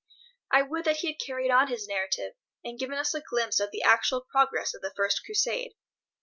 I would that he had carried on his narrative, and given us a glimpse of the actual progress of the First Crusade.